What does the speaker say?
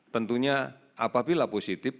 tentunya apabila positif